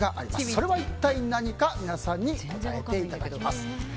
それは一体何か皆さんにこたえていただきます。